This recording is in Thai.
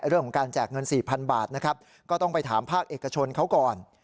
เรื่องของการแจกเงิน๔๐๐๐บาทนะครับก็ต้องไปถามภาคเอกชนเขาก่อน